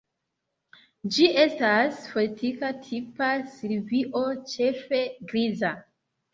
Ĝi estas fortika tipa silvio, ĉefe griza.